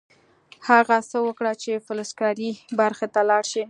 هغه هڅه وکړه چې فلزکاري برخې ته لاړ شي